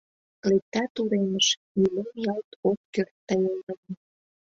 Лектат уремыш — Нимом ялт от керт тый ойлен.